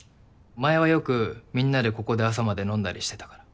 前はよくみんなでここで朝まで飲んだりしてたから。